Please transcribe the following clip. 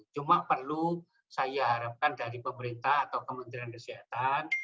cuma perlu saya harapkan dari pemerintah atau kementerian kesehatan